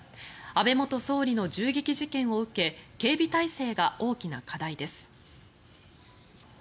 安倍元総理の銃撃事件を受け警備体制が大きな課題です。